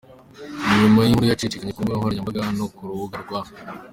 Ni nyuma y’inkuru yacicikanye ku mbuga nkoranyambaga no ku rubuga rwa.